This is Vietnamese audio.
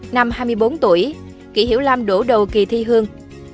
năm hai mươi bốn tuổi kỷ hiểu lam đổ đầu kỳ thi hương